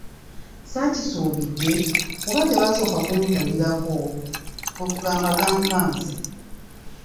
Saakisuubidde kuba tebaasooka kumbuulirako, kwe kugamba gankanze.